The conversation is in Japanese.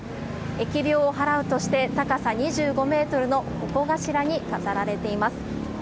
疫病を払うとして、高さ２５メートルの鉾頭に飾られています。